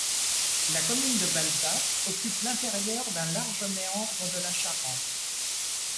La commune de Balzac occupe l'intérieur d'un large méandre de la Charente.